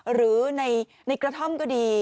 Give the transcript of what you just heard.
หรือในกระท่อมก็ดี